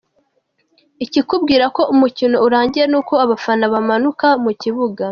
Ikikubwira ko umukino urangiye nuko abafana bamanuka mu kibuga.